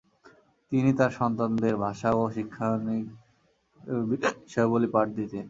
তিনি তার সন্তানদের ভাষা ও শিক্ষায়নিক বিষয়াবলী পাঠ দিতেন।